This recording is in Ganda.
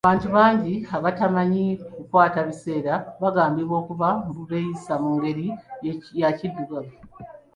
Abantu bangi abatamyi kukwata biseera bagambibwa okuba mbu beeyisa mu ngeri ya kiddugavu.